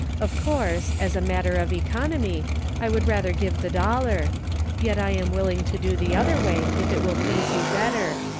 Of course, as a matter of economy, I would rather give the dollar; yet I am willing to do the other way if it will please }rou better.